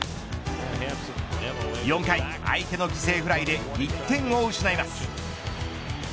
４回、相手の犠牲フライで１点を失います。